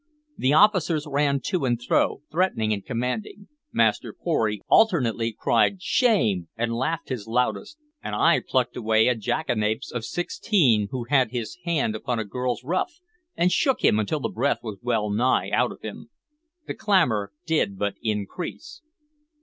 The officers ran to and fro, threatening and commanding; Master Pory alternately cried "Shame!" and laughed his loudest; and I plucked away a jackanapes of sixteen who had his hand upon a girl's ruff, and shook him until the breath was well nigh out of him. The clamor did but increase.